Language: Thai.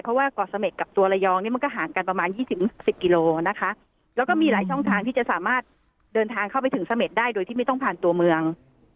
เพราะว่าเกาะเสม็ดกับตัวระยองเนี่ยมันก็ห่างกันประมาณ๒๐๑๐กิโลนะคะแล้วก็มีหลายช่องทางที่จะสามารถเดินทางเข้าไปถึงเสม็ดได้โดยที่ไม่ต้องผ่านตัวเมือง